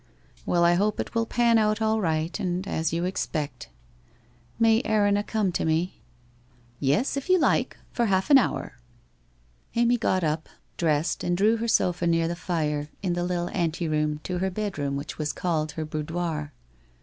Well, T hope it will pan out all right and as you expect. May Erinna come to me ?' 211 212 WHITE ROSE OP WEARY LEAF ' Yes, if you like. For half an hour.' Amy got up, dressed and drew her sofa near the fire, in the little ante room to her bedroom which was called her boudoir.